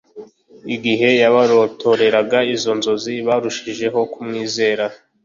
Igihe yabarotoreraga izo nzozi barushijeho kumwizera